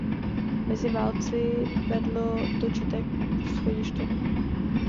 Mezi válci vedlo točité schodiště.